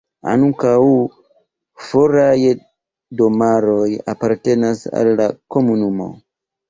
Ankaŭ foraj domaroj apartenas al la komunumo.